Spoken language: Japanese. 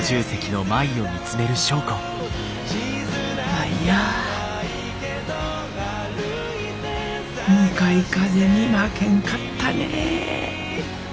舞や向かい風に負けんかったね。